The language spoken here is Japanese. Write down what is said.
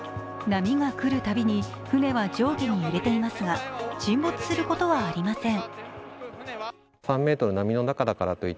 波が来るたびに船は上下に揺れていますが沈没することはありません。